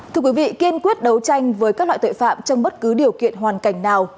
thưa quý vị kiên quyết đấu tranh với các loại tội phạm trong bất cứ điều kiện hoàn cảnh nào